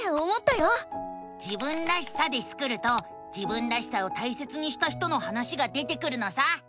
「自分らしさ」でスクると自分らしさを大切にした人の話が出てくるのさ！